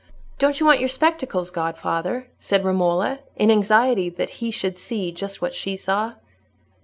"Don't you want your spectacles, godfather?" said Romola, in anxiety that he should see just what she saw.